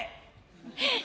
えっ？